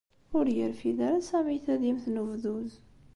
Ur yerfid ara Sami tadimt n ubduz.